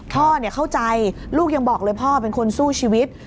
พ่อเข้าใจลูกยังบอกเลยพ่อเป็นคนสู้ชีวิต